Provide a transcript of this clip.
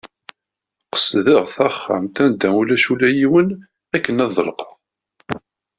Qesdeɣ taxxamt anda ulac ula yiwen akken ad ḍelqeɣ.